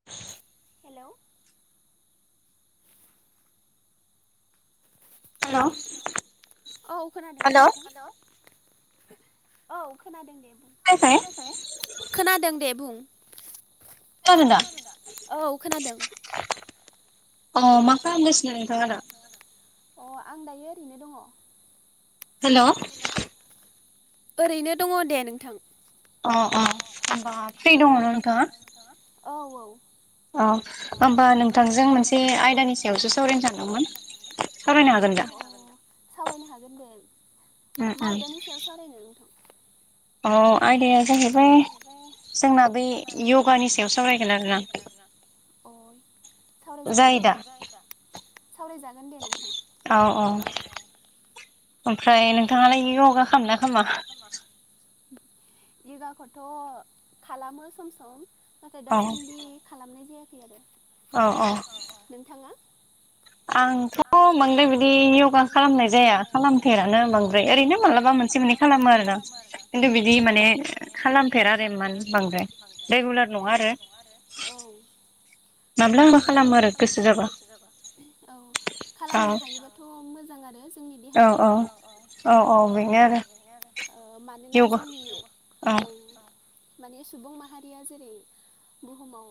[inaudible] हेल' ह' औ खोनादोंना नोंथाङाथ' औ खोनादों दे ख-खाय खोनादों दे बुं। औ खोनादों। अ मा खालामगासिनो नोंथाङा दा? अ आं दायो ओरैनो दङ। हेल'। हेल' ओरैनो दङ दे नोंथां। अ अ होमबा फ्रियै दङ न नोंथाङा? औ औ। अ होमबा नोंथांजों मोनसे आयदानि सायावसो सावरायनो सानदोंमोन सावरायनो हागोन दा? सावरायनो हागोन दे। मा आयदानि सायाव सावरायनो नोंथां? अ आयदाया जाहैबाय जोंना बै यगानि सायाव सावरायगोन आरोना। [inaudible] सावरायजायो दे। जायोदा? सावरायजागोन दे नोंथां। औ औ ओमफ्राय नोंथाङालाय यगा खालामो ना खामा? यगाखौथ' खालामो सम सम। नाथाय दासान्दि खालामनाय जायाखै आरो। ओ अ। नोंथाङा? आंथ' औ बांद्राय बिदि य'गा खालामनाय जाया खालामफेरानो बांद्राय ओरैनो मालाबा मोनसे मोननै खालामो आरोना। खिन्थु बिदि माने खालामफेरा आरो इमान बांद्राय रेगुलार नङा आरो। औ। माने माब्लाबा खालामो आरो गोसो जाबा। औ खालामनो हायोबाथ' मोजां आरो। औ औ औ औ बेनो आरो। [unintelligible] मानोना जोंनि माने सुबुं माहारिया जेरै बुहुमाव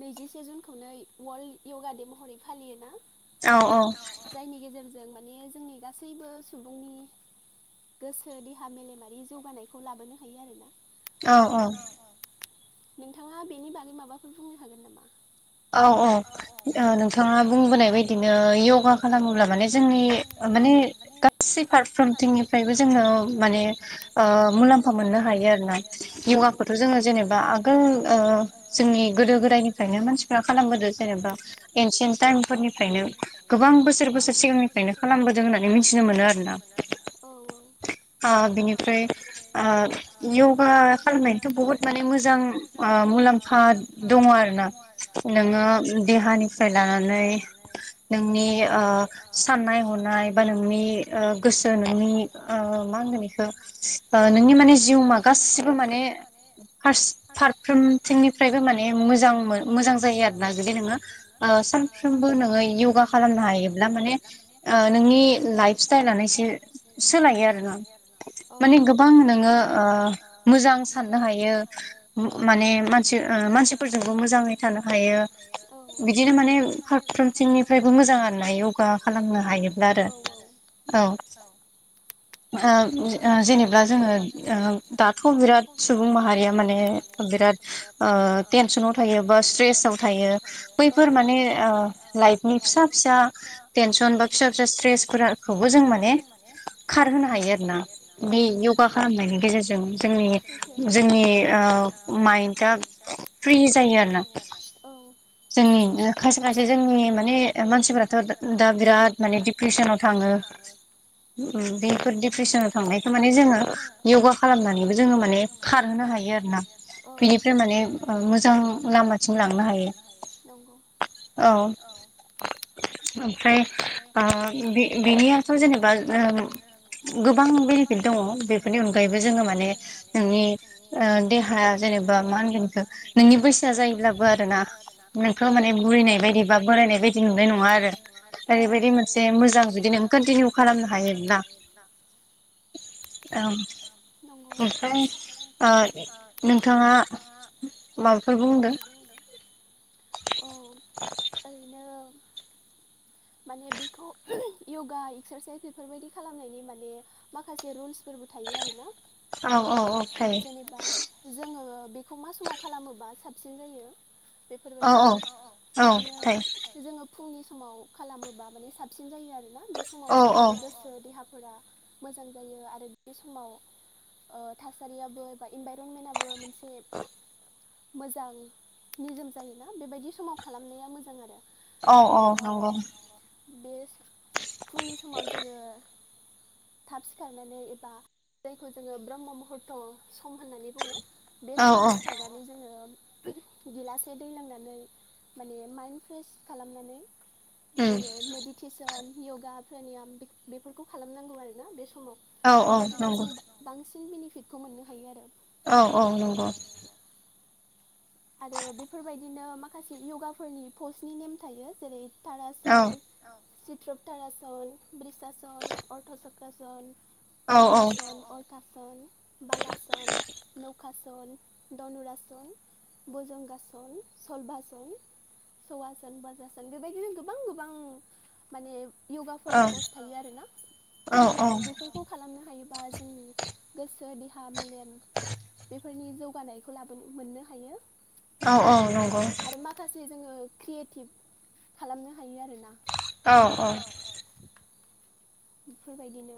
नैजिसे जुनखौनो अवार्ल्ड य'गा दे महरै फालियो ना। औ औ। जायनि गेजेरजों माने जोंनि गासैबो सुबुंनि गोसो देहा मेलेमारि जौगानायखौ लाबोनो हायो आरोना। औ औ नोंथाङा बेनि बागै माबाफोर बुंनो हागोन नामा? औ औ। ओ नोंथाङा बुंबोनाय बायदिनो यगा खालामोब्ला माने जोंनि माने गा गासै फारफ्रोमथिंनिफ्रायबो जोङो माने ओ मुलाम्फा मोननो हायो आरो ना। य'गाखौथ' जोङो जेनेबा आगोल ओ जोंनि गोदो गोदायनिफ्रायनो मानसि फोरा खालामबोदो जेनेबा एनसिन्ट टाइमफोरनिफ्रायनो गोबां बोसोर बोसोर सिगांनि [unintelligible] खालामबोदों होनना मिथिनो मोनो आरो ना। औ औ। ओ बिनिफ्राय ओ यगा खालामनायथ' बहुत माने मोजां ओ मुलाम्फा दङ आरो ना। नोङो देहानिफ्राय लानानै नोंनि ओ साननाय हनाय बा नोंनि ओ गोसो नोंनि ओ मा होगोन इखो ओ नोंनि माने जिउमा गासिबो माने फास फारफ्रोमथिंनिफ्रायबो माने मोजांमोन मोजां जायो आरोना जुदि नोङो ओ सानफ्रोमबो नोङो यगा खालामनो हायोब्ला माने ओ नोंनि लाइफ स्टाइलानो एसे सोलायो आरो ना माने गोबां नोङो ओ मोजां साननो हायो। माने मानसि ओ मानसिफोरजोंबो मोजाङै थानो हायो बिदिनो माने फारफ्रोमथिंनिफ्रायबो मोजां आरो ना यगा खालामनो हायोब्ला आरो। औ। ओ ओ जेनेबा जोङो ओ दाथ' बिराद सुबुं माहारिया माने बिराद ओ टेनसनाव थायो बा स्ट्रेसाव थायो बैफोर माने लाइफनि फिसा फिसा फिसा टेनसन बा फिसा प्रेस कुकारखौबो जों माने खारहोनो हायो आरोना बे यगा खालामनायनि गेजेरजों जोंनि जोंनि आ माइन्न्दा फ्रि जायो आरो ना औ जोंनि खायसे खायसे जोंनि माने मानसिफोराथ' दा बिराद माने डिप्रेसनाव थाङो बेफोर डप्रेसनाव थांनायखौ माने जोङो य'गा खालामनानैबो जोङो माने खारहोनो हायो आरो ना औ माने मोजां लामाथिं लांनो हायो औ ओमफ्राय आ बि बिनि आथ' जेनेबा ओं गोबां बेनिफिट दङ बेफोरनि अनगायैबो जोङो माने नोंनि देहा जेनेबा मा होनगोन इखो नोंनि बैसोआ जायोब्ला आरो ना नोंखो माने बुरिनाय बायदि बा बोरायनाय बायदि नुनाय नङा आरो ओरैबायदि मोनसे मोजां जुदि नों कन्टिनिउ खालामनो हायोब्ला औ ओमफाय ओ नोंथाङा माबाफोर बुंदो औ ओरैनो माने बेखौ य'गा एक्सारसाइस बेफोरबायदि खालामनायनि माने माखासे रुल्स फोरबो थायो आरोना जेनेबा जोङो बेखौ मा समाव खालामोबा साबसिन जायो बेफोरबायदि बिदिनो जोङो फुंनि समाव खालामोबा माने साबसिन जायो आरोना बे समाव जोंनि गोसो देहाखौ फोरा मोजां जायो आरो बे समाव ओ थासारियाबो बा इनभाइरनमेन्टआबो मोनसे मोजां निजोम जायोना बेबायदि समाव खालामनाया मोजां आरो औ औ नंगौ बे फुंनि समाव जोङो थाब सिखारनानै एबा जायखौ जोङो ब्रह्म महुरत' सं होननानै बुङो बे समाव सिखार जोङो गिलासे दै लांनानै माने माइन्न्द फ्रेस खालामनानै जोङो मेडिटेसन यगा प्रेनियाम बेफोरखौ खालामनांगौ आरोना बे समाव बेबायदिबा जों बांसिन बेनिफिटखौ मोननो हायो आरो औ औ नंगौ आरो बेफोरबायदिनो माखासे य'गा गाफोरनि पसनि नेम थायो जेरै थारासन सित्रप थारासन ब्रिक्षासन अर्ट' सक्रासन बक्रासन अलथासन बालासन दखाासल दनुरासल बजोंंगासन सलबासन सवासान बाजार सान बेबायदिनो गोबां गोबां माने य'गाफोरनि पस्ट थायो आरोना माने बेफोरखौ खालामनो हायोबा जोंनि गोसो देहा मेलेम बेफोरनि जौगानायखौ ला मोननो हायो। आरो माखासे जोङो क्रियेटिभ खालामनो हायो आरोना औ औ बेफोरबायदिनो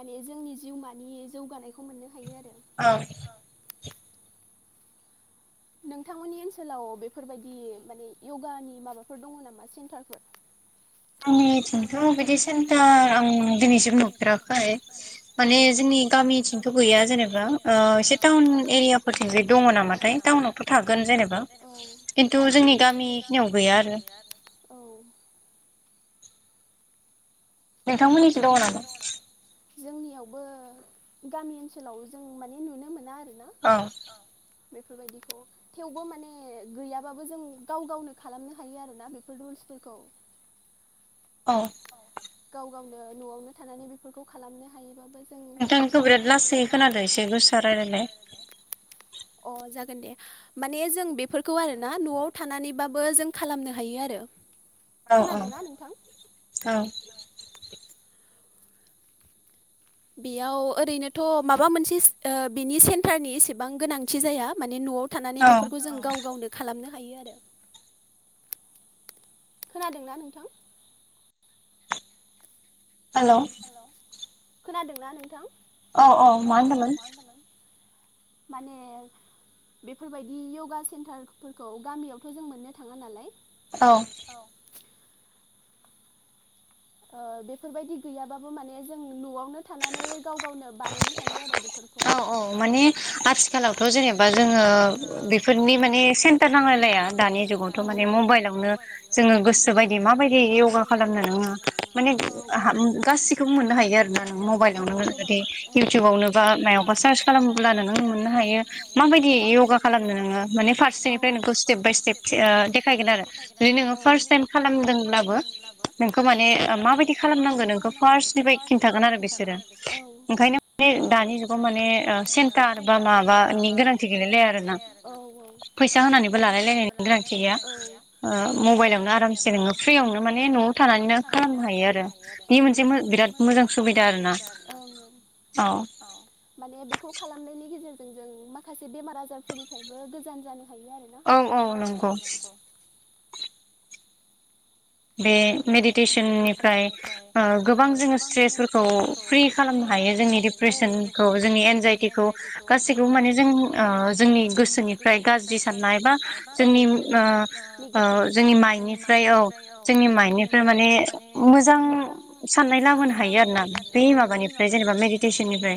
माने जोंनि जिउमानि जौगानायखौ मोननो हायो आरो औं नोंथांमोननि ओनसोलाव बेफोरबायदि माने य'गानि माबाफोर दङ नामा सेन्टारफोर [unintelligible] सेन्था आं दिनैसिम नुफेराखै माने जोंनि गामिथिंथ' गैया जेनेबा ओ एसे टाउन एरियाफोरथिंजाय दङ नामाथाय टाउनावथ' थागोन जेनेबा खिन्थु जोंनि गामि खिनियाव गैया आरो औ नोंथांमोननिसो दङ नामा? जोंनियावबो गामि ओनसोलाव जों माने नुनो मोना आरो औ बेफोरबायदिखौ थेवबो माने गैयाबाबो जों गाव गावनो खालामनो हायो आरोना बेफोर रुल्सफोरखौ औ गावनो न'आवनो थानानै बेफोरखौ खालामनो हायोबाबो नोंथांनिखौ बिराद लासै खोनादों एसे गोसोआ राय्लायलाय। अ जागोन दे माने जों बेफोरखौ आरोना न'आव थानानैबाबो जों खालामनो हायो आरो औ औ औ बेयाव ओरैनोथ' माबा मोनसे बिनि सेन्टारनि एसेबां गोनांथि जाया माने न'आव थानानै बेफोरखौ जों गाव गावनो खालामनो हायो आरो खोनादोंना नोंथां। हेलौ खोनादोंना नोंथां? औ औ मा होनदोंमोन। माने बेफोरबायदि य'गा सेन्टारफोरखौ गामियावथ' जों मोननो थाङा नालाय औ औ ओ बेफोरबायदि गैयाबाबो माने जों न'आवनो थानानै गाव गावनो बानायनो हायो आरो बेफोरखौ। औ माने आथिखालावथ' जेनेबा जोङो बेफोरनि माने सेन्टार नांलायलाया दानि जुगाव थ' माने मबाइलावनो जोङो गोसो बायदि माबायदि यगा खालामनो नङो माने गाससिखौबो मोननो हायो आरोना मबाइलावनो इउटुबावनो बा मायावबा सार्च खालामोब्ला नो मोननो हायो माब बायदि या खालामनो नोङो माने फारसेनिफ्राय नोंखौ स्टेप बाय स्टेप देखायगोन आरो जुदि नोङो फार्स्ट टाइम खालामदोंब्लाबो नोंखौ माने माने माबाददि खालामनांगोन नोंखौ फार्निफ्राय खिन्थागोन आरो बिसोरो ओंखायनो माने दानि जुगाव माने सेन्टार बा माबानि गोनांथि गैलायलै आरोना फैसा होनानैबो लालाय लायनायनि गोनांथि गैया ओ मबाइलावनो आरामसे नोङो फ्रियावनो माने न'आव थानानैनो खालामनो हायो आरो बे मोनसे बिराद मोजां सुबिदा आरोना औ औ औ औ माने बेखौ खालामनायनि गेजेरजों जों माखासे बेमार आजारफोरनिफ्रायबो गोजान जानो हायो आरो ना औ औ नंगौ बे मेडिटेसननिफ्राय ओ गोबां जोङो स्ट्रेसफोरखौ फ्रि खालामनो हायो जोंनि दिप्रेसनखौ जोंनि एनजाइटिखौ गासैखौबो माने जों ओ जोंनि गोसोनि फ्राय गाज्रि साननाय बा ओ ओ जों जोंनि माइनिफ्राय औ नि माइनिफ्राय मान मोजां साननाय लाबोनो हायो आरोोना बे माबानिफ्राय जेनेबा टिबसनिफ्राय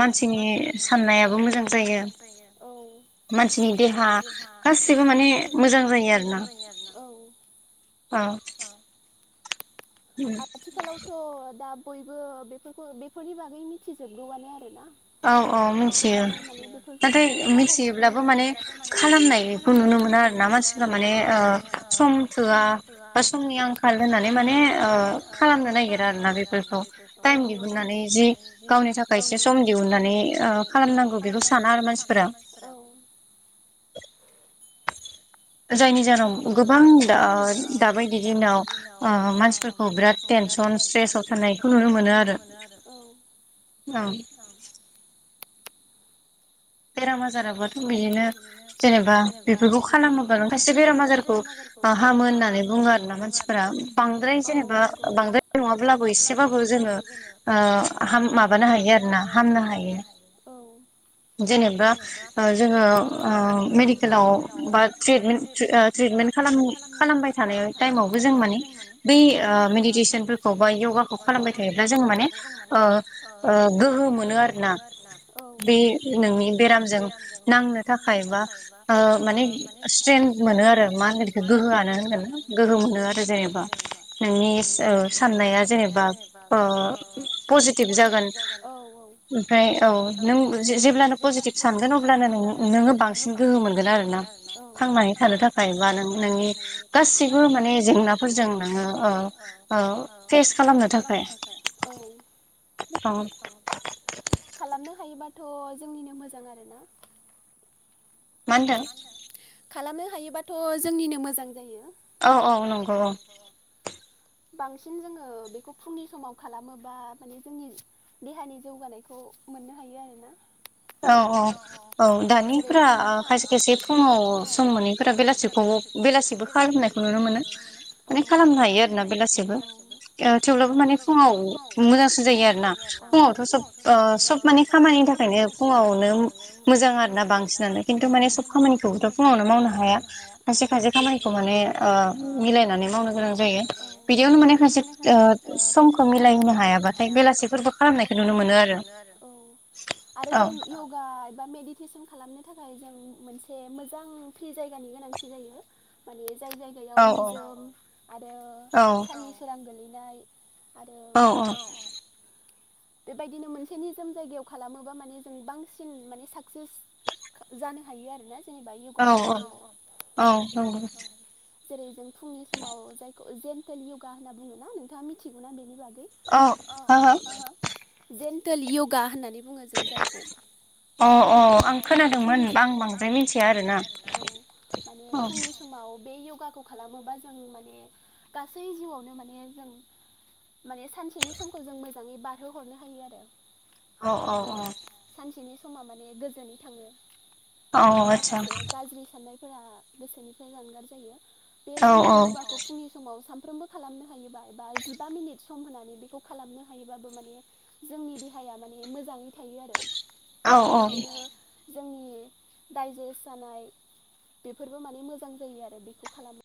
मानसिनि साननायाबो मोजां जायो। मानसिनि देहा गासिबो माने मोजां जायो आरो ना। औ औ औ आ आथिखालावथ' दा बयबो बेफोरखौ बेफोरनि बागै मिथिजोबगौआनो आरोना औ औ मिथियो नाथाय मिथियोब्लाबो माने खालामनाय खौ नुनो मोना आरोना मानसिफ्रा माने सम थोआ बा समनि आंख होननानै माने खालामनो नागिरा आरोोना बेफोरखौ टाइम दिहुननानै जि गावनि थाखाय एसे सम दिहुननानै खालामनांगौ बेखौ साना आरो मानसिफोरा जायनि जाहोनाव गोबां दा ओ दाबायदि दिनाव मानसि मानसिफोरखौ बिराद टेनसन स्ट्रेसाव फाननायखौ नुनो मोनो आरो औ औ बेराम आजाराबथ' बिदिनो जेनेबा बेफोरखौ खालामोबा न खायसे बेराम आजारखौ हामो होननानै बुङो आरो ना मानसिफोरा बांद्राय जेनेबा बांद्राय नङाब्लाबो एसेबाबो जोङो जोङो ओ माबानो हायो आरोोना हामनो हायो औ जेनेबा ओ जोङो ओ मेडिकेलाव बा ट्रेटमेन ट्रे ओ ट्रिटमेन्ट खालाम-खालामबाय थानाय टाइमावबो जों माने बै मेडिटेसनफोरखौ बा यगा खौ खालामबाय थायोब्ला जों माने गोहो मोनो आरोना बे नोनि बेरामजों नांनो थाखाय बा ओ माने स्ट्रेन मोनो आरो मा होन गोहोआनो होनगोना गोहो मोनो आरो जेनेबा नोंनि साननाया जेनेबा ओ पजिटिभ जागोन ओमफ्राय औ‌ नों जे-जेब्ला नों पजिटिभ सानगोन अब्लानो नों नोङो बांसिन गोहो मोनगोन आरोना थांनानै थाखा थाखायबा न नोंनि गासैबो माने जेंनाफोरजों नोङो ओ औ फेस खालामनो थाखाय औ खालामनो हायोबाथ' जोंनिनो मोजां आरो ना मा होनदों खालामनो हायोबाथ' जोंनिनो मोजां जायो औ औ नंगौ औ बांसिन जोङो बेखौ फुंनि समाव खालामोबा माने जोंनि देहानि जौगानायखौ मोननो हायो आरोना औ औ औ दानिफोरा खायसे खायसे फुङाव सम मोनिफोरा बेलासि बा ह बेलासिबो खालामनायखौ नुनो मोनो माने खालामनो हायो आरोना बे हायो आरो ना बेलासेबो ‌अ ओ थेवब्लाबो माने फुङाव मोजांसो जायो आरो ना फुङावथ' सब सब माने खामानिनि थाखायनो फुङावनो मोजां आरोना बांसिनानो खिन्थु माने सब खामानिखौबोथ' फुङावनो मावनो हाया खायसे खायसे खामानिखौ माने मिलायनानै मावनो गोनां जायो बिदियावनो माने खायसे समखौ मिलायहोनो हायाबाथाय बेलासिफोरबो फोरबो खालामनायखौ नुनो मोन औ आरो जों यगा एबा मेदि सन खालामनो थाखाय जों मोनसे मोजां फ्रि जायगानि गोनांथि जायो माने जाय जाय गायाव निजोम आरो नि सोरां गोलैनाय आरो बेबायदिनो मोनसे निजोम जायगायाव खालामोबा माने जों बांसिन माने साक्सेस जानो हायो आरोना जेनेबा योगा खालाम औ औ औ जेरै जों फुंनि समाव जायखौ जेन्टेल यगा होनना बुङोना नोंथाङा मिथिगौ ना बेनि बागै औ हो हो जेन्टेल यगा होननानै बुङो जों जायखौ अ अ आं फुंनि आं बांद्राय मिथिया आरोना औ माने फुंनि समाव बे यगाखौ खालामोबा जों माने गासै जिउआवनो माने जों माने सानसेनि समखौ जों मोजाङै बारहोहरनो हायो आरो अ अ अ सानसेनि समा माने फोरा गोसोनिफ्राय जानगार जायो बे जेन्थेल योगाखौ फुंनि समाव सानफ्रोमबो खालामनो हायोबा एबा जिबा मिनिट सम होनानै बेखौ खालामनो हायोबाबो माने जोंनि देहाया माने मोजाङै थायो आरो बिदिनो। जोंनि दडाइजेस्ट जानाय बेफोरबो माने मोजां जायो आरो। बेखौ खालामो